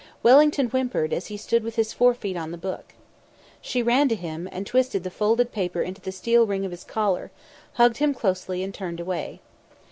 Wellington whimpered as he stood with his fore feet on the book. She ran to him and twisted the folded paper into the steel ring of his collar, hugged him closely, and turned away.